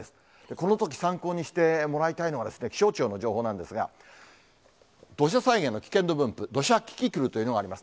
このとき参考にしてもらいたいのが気象庁の情報なんですが、土砂災害の危険度分布、土砂キキクルというのがあります。